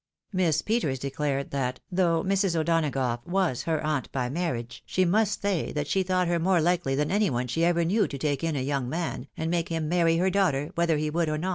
Miss Peters declared that, though Mrs. O'Donagough was her aunt by marriage, she must say that she thought her more likely than any one she ever knew to take in a young man, and make him marry her daughter, whether he would or no.